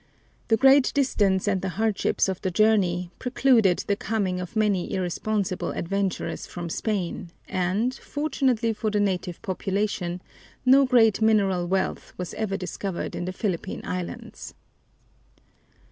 The great distance and the hardships of the journey precluded the coming of many irresponsible adventurers from Spain and, fortunately for the native population, no great mineral wealth was ever discovered in the Philippine Islands.